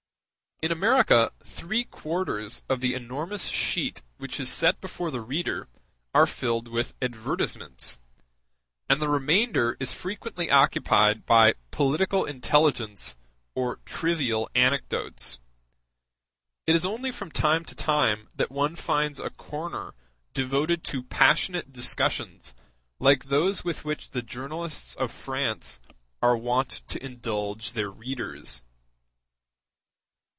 In America three quarters of the enormous sheet which is set before the reader are filled with advertisements, and the remainder is frequently occupied by political intelligence or trivial anecdotes: it is only from time to time that one finds a corner devoted to passionate discussions like those with which the journalists of France are wont to indulge their readers.